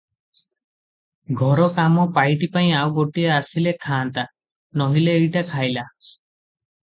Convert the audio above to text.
ଘର କାମ ପାଇଟିପାଇଁ ଆଉ ଗୋଟାଏ ଆସିଲେ ଖାଆନ୍ତା, ନୋହିଲେ ଏଇଟା ଖାଇଲା ।